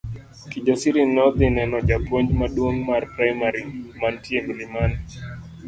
Kijasiri nodhi neno japuonj maduong' mar primari mantie Mlimani.